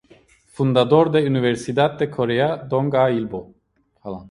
Fundador de Universidad de Corea, Dong A-Ilbo.